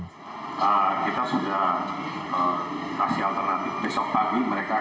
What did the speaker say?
kita sudah kasih alternatif besok pagi mereka akan kita berangkatkan